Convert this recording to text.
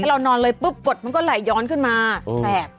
เรานอนเลยปุ๊บกดมันก็ไหลย้อนขึ้นมาแสบ